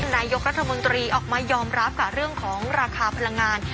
นายกรัฐมนตรีออกมายอมรับกับเรื่องของราคาพลังงาน